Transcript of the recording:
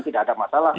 tidak ada masalah